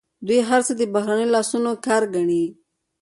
دوی هر څه د بهرنیو لاسونو کار ګڼي.